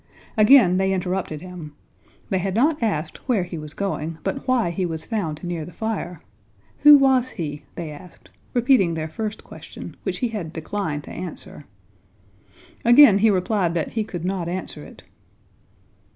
Again they interrupted him: they had not asked where he was going, but why he was found near the fire? Who was he? they asked, repeating their first question, which he had declined to answer. Again he replied that he could not answer it.